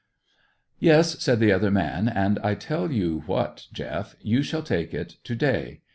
"Yes," said the other man. "And I tell you what, Jeff; you shall take it to day.